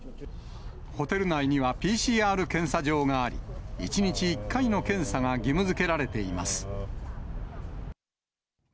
ホテル内にはＰＣＲ検査場があり、１日１回の検査が義務づけられています。